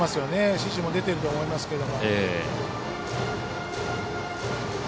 指示も出てると思いますけど。